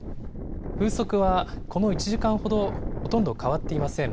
風速はこの１時間ほど、ほとんど変わっていません。